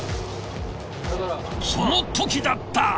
そのときだった。